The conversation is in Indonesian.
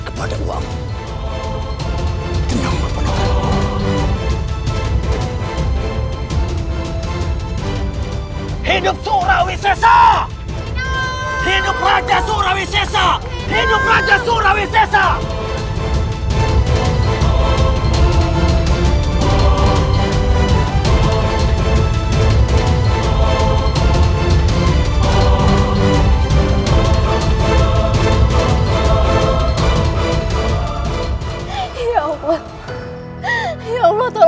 selamatkanlah yana berapa umur